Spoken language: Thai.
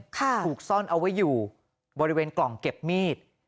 ถูกซ่อนเอาไว้อยู่บริเวณกล่องเก็บมีด